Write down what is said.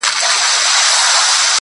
نن بيا د هغې نامه په جار نارې وهلې چي.